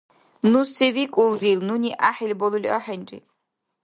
Ну се викӀулрил нуни гӀяхӀил балули ахӀенри.